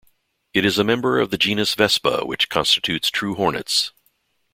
It is a member of genus Vespa which constitutes true hornets.